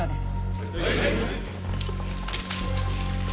はい。